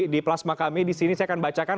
di plasma kami disini saya akan bacakan